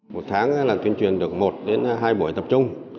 một tháng là tuyên truyền được một đến hai buổi tập trung